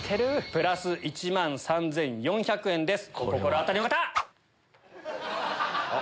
プラス１万３４００円です。